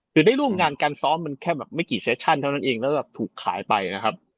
หรือได้ร่วมงานการซ้อมมันแค่แบบไม่กี่เซชั่นเท่านั้นเองแล้วแบบถูกขายไปนะครับ